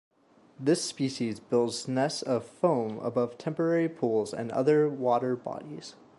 This species builds nests of foam above temporary pools and other water bodies.